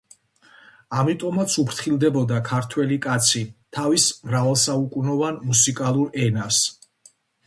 ამიტომაც უფრთხილდებოდა ქართველი კაცი თავის მრავალსაუკუნოვან მუსიკალურ ენას.